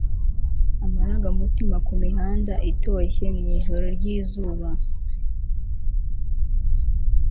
amarangamutima kumihanda itose nijoro ryizuba